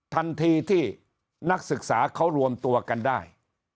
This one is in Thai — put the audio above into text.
ทันทีที่นักศึกษาเขารวมตัวกันได้